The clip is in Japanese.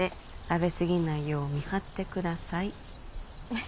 「食べすぎないよう見張って下さい」